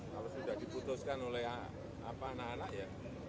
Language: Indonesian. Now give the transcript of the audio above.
kalau sudah diputuskan oleh anak anak ya